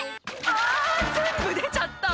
「あぁ全部出ちゃった！